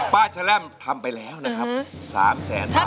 ป้าชะแรมทำไปแล้วนะครับ๓๐๐๐๐๐บาท